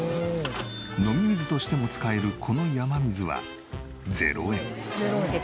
飲み水としても使えるこの山水は０円。